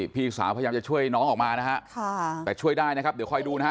พี่สาวพยายามจะช่วยน้องออกมานะฮะแต่ช่วยได้นะครับเดี๋ยวคอยดูนะฮะ